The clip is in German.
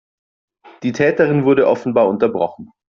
Die Täterin wurde offenbar unterbrochen.